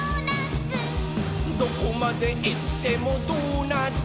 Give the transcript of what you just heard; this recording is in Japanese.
「どこまでいってもドーナツ！」